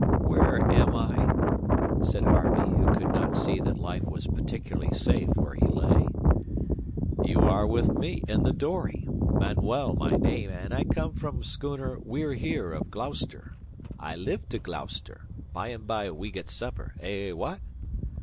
"Where am I?" said Harvey, who could not see that life was particularly safe where he lay. "You are with me in the dory Manuel my name, and I come from schooner We're Here of Gloucester. I live to Gloucester. By and by we get supper. Eh, wha at?"